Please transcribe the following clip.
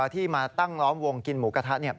ที่มาตั้งล้อมวงกินหมูกระทะ